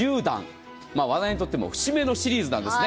われわれにとっても節目のシリーズなんです。